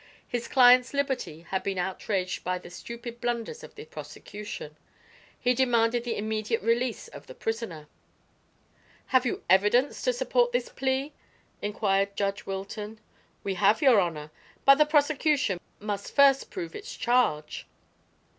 His client's liberty had been outraged by the stupid blunders of the prosecution. He demanded the immediate release of the prisoner. "Have you evidence to support this plea?" inquired Judge Wilton. "We have, your honor. But the prosecution must first prove its charge."